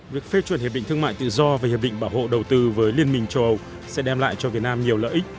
việc phê chuẩn hiệp định thương mại tự do và hiệp định bảo hộ đầu tư với liên minh châu âu sẽ đem lại cho việt nam nhiều lợi ích